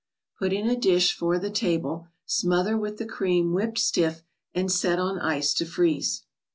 Put in a dish for the table, smother with the cream whipped stiff, and set on ice to freeze.